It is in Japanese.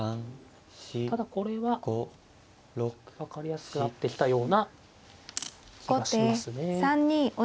ただこれは分かりやすくなってきたような気がしますね。